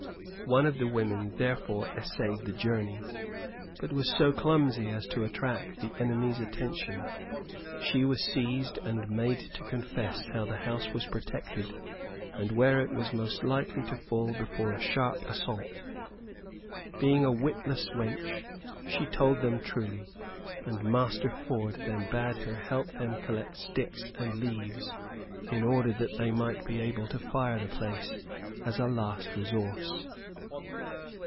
One of the women therefore essayed the journey; but was so clumsy as to attract the enemy's attention. She was seized and made to confess how the house was protected and where it was most likely to fall before a sharp assault. Being a witless wench, she told them truly, and Master Ford then bade her help them collect sticks and leaves in order that they might be able to fire the place as a last resource.